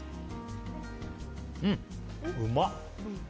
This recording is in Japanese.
うん、うまっ。